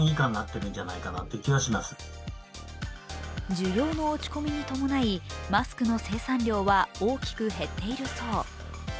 需要の落ち込みに伴い、マスクの生産量は大きく減っているそう。